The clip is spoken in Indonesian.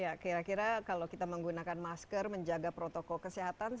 ya kira kira kalau kita menggunakan masker menjaga protokol kesehatan